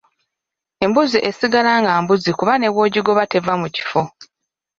Embuzi esigala nga mbuzi kuba ne bw'ogigoba teva mu kifo.